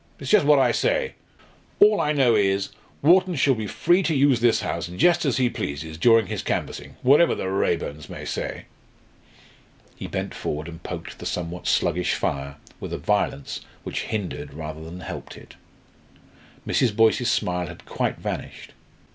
It's just what I say. All I know is, Wharton shall be free to use this house just as he pleases during his canvassing, whatever the Raeburns may say." He bent forward and poked the somewhat sluggish fire with a violence which hindered rather than helped it. Mrs. Boyce's smile had quite vanished.